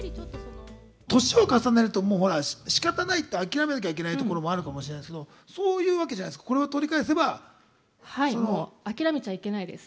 年を重ねると、もうほら、しかたないって諦めなきゃいけないところもあるかもしれないですけど、そういうわけじゃないですか、諦めちゃいけないです。